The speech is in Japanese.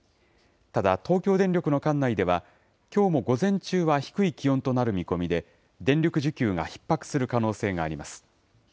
ただ東京電力の管内では、きょうも午前中は低い気温となる見込みで、電力需給がひっ迫する可能性があります。